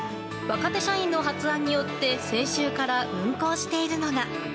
若手社員の発案によって先週から運行しているのが。